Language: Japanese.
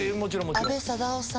阿部サダヲさん？